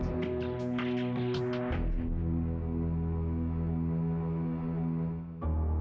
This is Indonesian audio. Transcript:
terima kasih mas